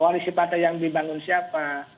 koalisi partai yang dibangun siapa